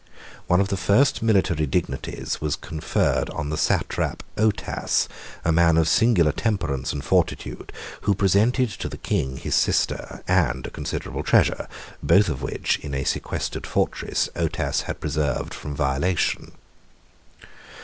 One of the first military dignities was conferred on the satrap Otas, a man of singular temperance and fortitude, who presented to the king his sister 57 and a considerable treasure, both of which, in a sequestered fortress, Otas had preserved from violation.